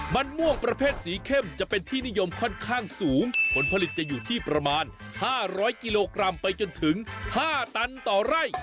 มันม่วงประเภทสีเข้มจะเป็นที่นิยมค่อนข้างสูงผลผลิตจะอยู่ที่ประมาณ๕๐๐กิโลกรัมไปจนถึง๕ตันต่อไร่